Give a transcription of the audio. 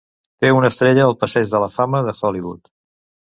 Té una estrella al Passeig de la Fama de Hollywood.